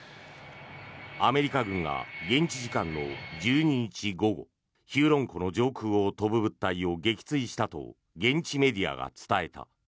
アメリカ軍が現地時間の１２日午後ヒューロン湖の上空を飛ぶ物体を撃墜したと現地メディアが伝えた。